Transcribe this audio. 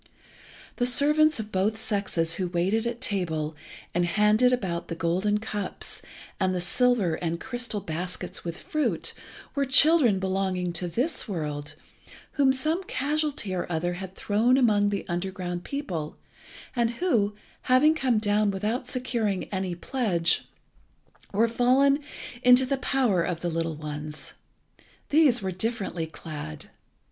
The servants of both sexes who waited at table and handed about the golden cups, and the silver and crystal baskets with fruit, were children belonging to this world, whom some casualty or other had thrown among the underground people, and who, having come down without securing any pledge, were fallen into the power of the little ones. These were differently clad.